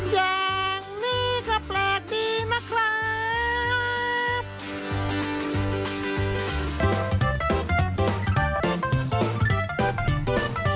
อย่างนี้ก็แปลกดีนะครับ